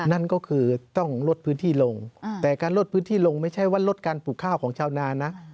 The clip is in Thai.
นั่นก็คือต้องลดพื้นที่ลงแต่การลดพื้นที่ลงไม่ใช่ว่าลดการปลูกข้าวของชาวนานะ